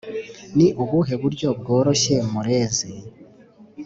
Ni ubuhe buryo bworoshye murezi